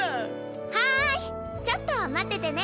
はいちょっと待っててね。